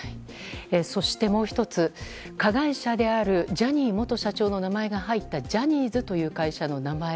そして、もう１つ加害者であるジャニー元社長の名前が入ったジャニーズという会社の名前。